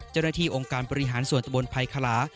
เมื่อที่องค์การปริหารส่วนตะบนไพขลา